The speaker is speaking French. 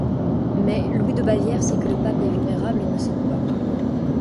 Mais, Louis de Bavière sait que le pape est vulnérable et ne cède pas.